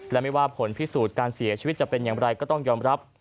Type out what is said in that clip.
และไม่ว่าผลพิสูจน์การเสียชีวิตจะเป็นอย่างไรก็ต้องยอมรับ